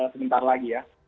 sebentar lagi ya